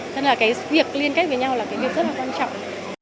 nên là cái việc liên kết với nhau là cái việc rất là quan trọng